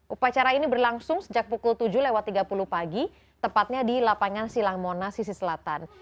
upacara ini berlangsung sejak pukul tujuh lewat tiga puluh pagi tepatnya di lapangan silang monas sisi selatan